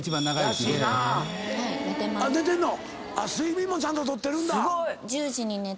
睡眠もちゃんと取ってるんだ！